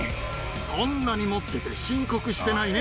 こんなに持ってて申告してないね。